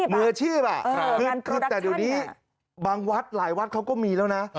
มือชีพอ่ะงานโปรดักชั่นน่ะคือแต่ดูนี้บางวัดหลายวัดเขาก็มีแล้วนะ